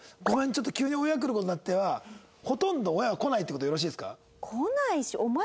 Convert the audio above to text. ちょっと急に親が来る事になった」はほとんどは親は来ないって事でよろしいですか？